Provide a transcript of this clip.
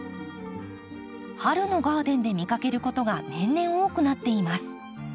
春のガーデンで見かけることが年々多くなっています。